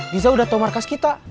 disa udah tau markas kita